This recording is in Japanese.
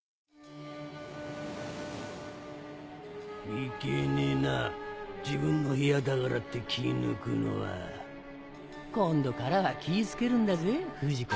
・いけねえな自分の部屋だからって気ぃ抜くのは・今度からは気ぃ付けるんだぜ不二子。